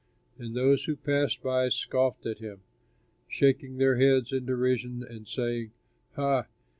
And those who passed by scoffed at him, shaking their heads in derision and saying, "Ha!